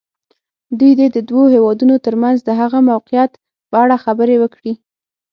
دوی دې د دوو هېوادونو تر منځ د هغه موقعیت په اړه خبرې وکړي.